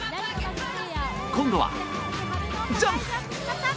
今度はジャンプ。